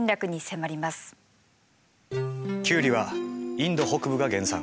キュウリはインド北部が原産。